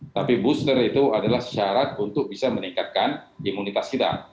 tapi booster itu adalah syarat untuk bisa meningkatkan imunitas kita